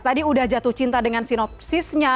tadi udah jatuh cinta dengan sinopsisnya